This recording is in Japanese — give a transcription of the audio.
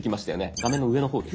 画面の上の方です。